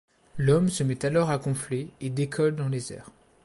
L'homme se met alors à gonfler et décolle dans les airs.